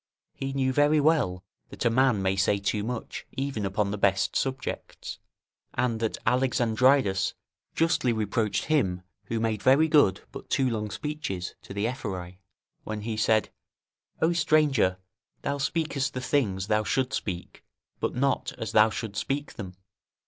He knew very well, that a man may say too much even upon the best subjects, and that Alexandridas justly reproached him who made very good. but too long speeches to the Ephori, when he said: "O stranger! thou speakest the things thou shouldst speak, but not as thou shouldst speak them."